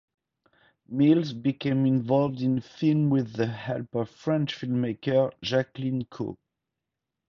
Mills became involved in film with the help of French filmmaker Jacqueline Caux.